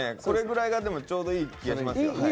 これぐらいがでもちょうどいい気がしますよ。